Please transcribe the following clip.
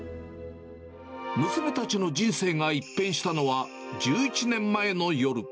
娘たちの人生が一変したのは、１１年前の夜。